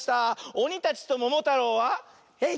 おにたちとももたろうは「えい！